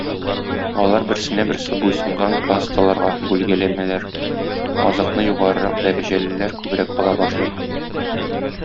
Алар берсенә-берсе буйсынган касталарга бүлгәләнәләр, азыкны югарырак дәрәҗәлеләр күбрәк ала башлый.